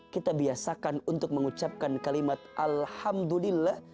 kita biasakan untuk mengucapkan kalimat alhamdulillah